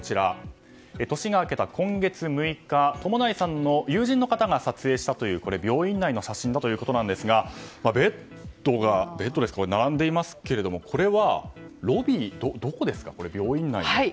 年が明けた今月６日友成さんの友人の方が撮影したという病院内の写真だということですがベッドが並んでいますがこれは病院内ですか？